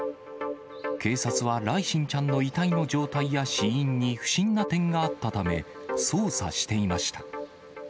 警察は、來心ちゃんの遺体の状態や死因に不審な点があったため、捜査していました。